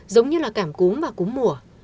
giống như là cảm cúm và cúm mùa